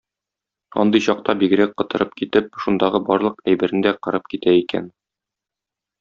Андый чакта бигрәк котырып китеп, шундагы барлык әйберне дә кырып китә икән.